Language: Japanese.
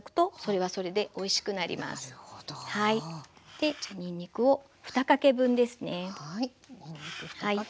でにんにくを２かけ分ですね。